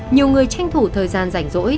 nhiều người tranh thủ thời gian rảnh rỗi